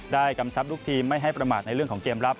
กำชับลูกทีมไม่ให้ประมาทในเรื่องของเกมรับ